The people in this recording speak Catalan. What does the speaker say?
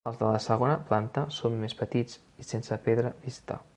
Els de la segona planta són més petits i sense pedra vista.